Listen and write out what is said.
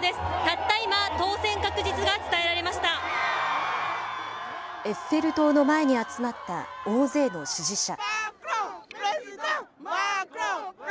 たった今、エッフェル塔の前に集まった大勢の支持者。